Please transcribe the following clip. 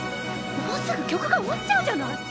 もうすぐ曲が終わっちゃうじゃない。